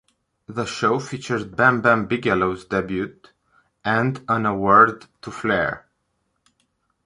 The show featured Bam Bam Bigelow's debut and an award to Flair.